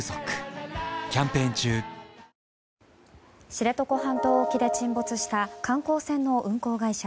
知知床半島沖で沈没した観光船の運航会社